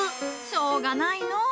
しょうがないのう。